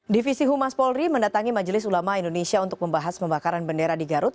divisi humas polri mendatangi majelis ulama indonesia untuk membahas pembakaran bendera di garut